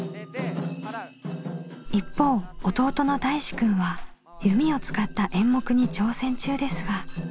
一方弟のたいしくんは弓を使った演目に挑戦中ですが。